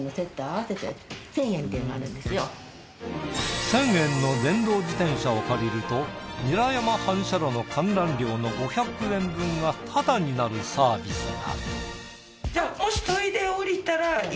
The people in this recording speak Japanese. １，０００円の電動自転車を借りると韮山反射炉の観覧料の５００円分がタダになるサービスが。